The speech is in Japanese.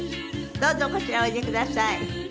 どうぞこちらへおいでください。